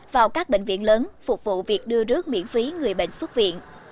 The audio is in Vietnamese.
vào các bệnh viện lớn phục vụ việc đưa rước miễn phí người bệnh xuất viện